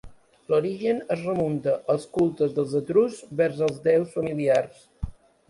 L'origen es remunta als cultes dels etruscs vers els déus familiars.